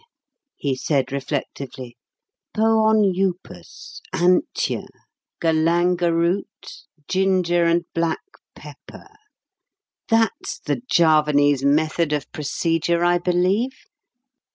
he said reflectively; "Pohon Upas, Antjar, Galanga root, Ginger and Black Pepper that's the Javanese method of procedure, I believe.